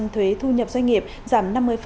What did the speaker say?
thuế thu nhập doanh nghiệp giảm năm mươi